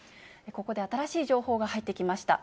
ここで新しい情報が入ってきました。